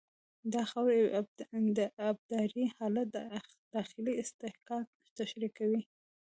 د خاورې د ابدارۍ حالت داخلي اصطکاک تشریح کوي